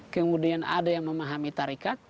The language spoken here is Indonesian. kemudian ada yang memahami tarikat